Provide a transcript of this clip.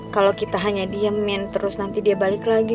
kalau kita hanya diemin terus nanti dia balik lagi